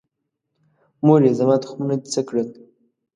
مورې، زما تخمونه دې څه کړل؟